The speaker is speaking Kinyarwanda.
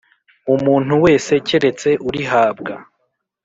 umuntu wese keretse urihabwa.